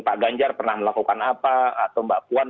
pak ganjar pernah melakukan apa atau mbak puan